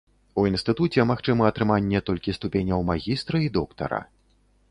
У інстытуце магчыма атрыманне толькі ступеняў магістра і доктара.